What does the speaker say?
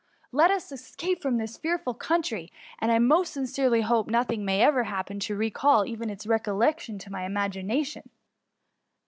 Let us escape from this fearful country, and I most sincerely hope nothing may ever happen to re call even its recollection to my imagination.